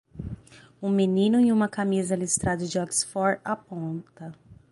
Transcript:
Um menino em uma camisa listrada de oxford aponta.